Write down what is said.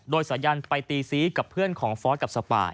โดยสายันไปตีซี้กับเพื่อนของฟอสกับสปาย